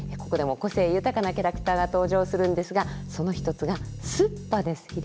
ここでも個性豊かなキャラクターが登場するんですがその一つがすっぱです。